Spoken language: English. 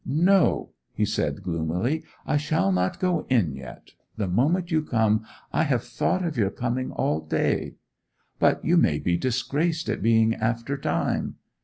'No,' he said gloomily. 'I shall not go in yet—the moment you come—I have thought of your coming all day.' 'But you may be disgraced at being after time?